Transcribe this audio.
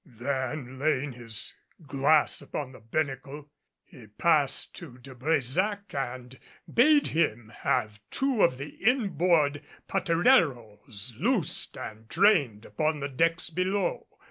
Then laying his glass upon the binnacle, he passed to De Brésac and bade him have two of the inboard patereros loosed and trained upon the decks below.